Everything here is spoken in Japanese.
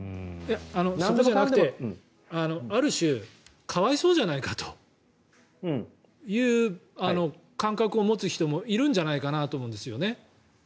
そこじゃなくてある種、可哀想じゃないかという感覚を持つ人もいるんじゃないかなと思うんですよね。